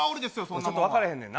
ちょっと分からへんねんな。